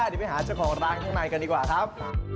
เดี๋ยวไปหาเจ้าของร้านข้างในกันดีกว่าครับ